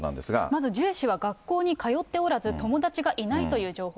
まずジュエ氏は学校に通っておらず、友達がいないという情報。